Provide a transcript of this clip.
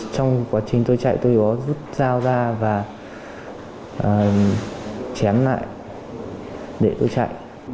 trong quá trình tôi chạy tôi có rút dao ra và chém lại để tôi chạy